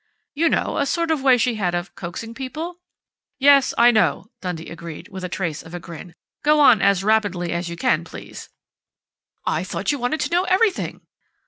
You know, a sort of way she had of coaxing people " "Yes, I know," Dundee agreed, with a trace of a grin. "Go on as rapidly as you can, please." "I thought you wanted to know everything!"